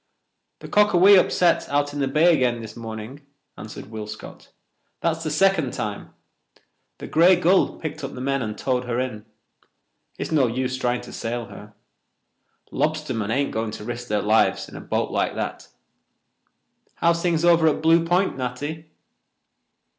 "The Cockawee upset out in the bay again this morning," answered Will Scott. "That's the second time. The Grey Gull picked up the men and towed her in. It's no use trying to sail her. Lobstermen ain't going to risk their lives in a boat like that. How's things over at Blue Point, Natty?"